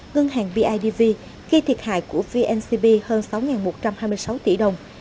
ngân hàng bidv khi thiệt hại của vncb hơn sáu một trăm hai mươi sáu tỷ đồng